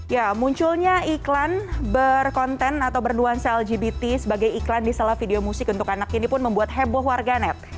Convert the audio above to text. ya munculnya iklan berkonten atau bernuansa lgbt sebagai iklan di salah video musik untuk anak ini pun membuat heboh warganet